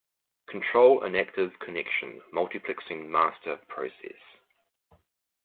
Control an active connection multiplexing master process.